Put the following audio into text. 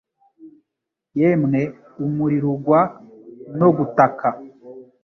Yemwe umuriro ugwa no gutaka